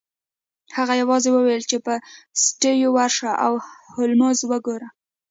هغه یوازې وویل چې سټیو ورشه او هولمز وګوره